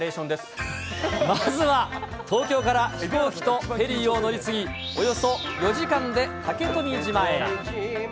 まずは、東京から飛行機とフェリーを乗り継ぎ、およそ４時間で竹富島へ。